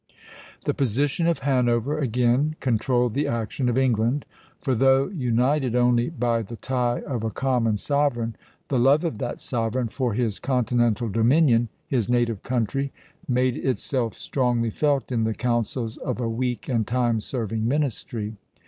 The position of Hanover, again, controlled the action of England; for though united only by the tie of a common sovereign, the love of that sovereign for his continental dominion, his native country, made itself strongly felt in the councils of a weak and time serving ministry.